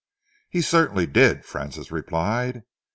"He certainly did," Francis replied.